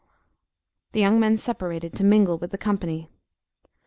The young men separated, to mingle with the company.